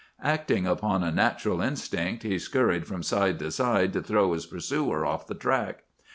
"Acting upon a natural instinct, he scurried from side to side to throw his pursuer off the track.